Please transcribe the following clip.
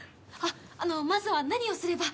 あのまずは何をすれば？